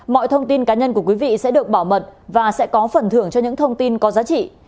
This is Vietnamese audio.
mọi thông tin cá nhân của quý vị sẽ được bảo mật và sẽ có phần thưởng cho những thông tin có giá trị